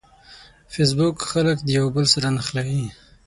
فېسبوک خلک د یوه بل سره نښلوي.